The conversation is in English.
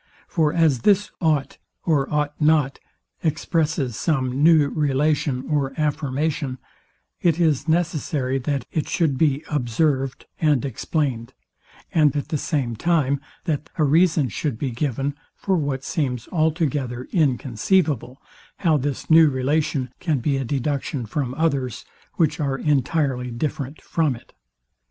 For as this ought, or ought not, expresses some new relation or affirmation, it is necessary that it should be observed and explained; and at the same time that a reason should be given, for what seems altogether inconceivable, how this new relation can be a deduction from others, which are entirely different from it.